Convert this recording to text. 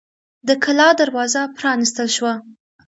د کلا دروازه پرانیستل شوه.